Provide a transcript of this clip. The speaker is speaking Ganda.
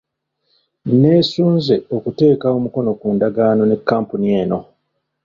Neesunze okuteeka omukono ku ndagaano ne kkampuni eno.